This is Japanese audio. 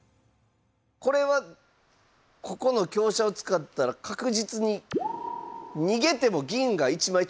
これはここの香車を使ったら確実に逃げても銀が一枚取れるってことですか？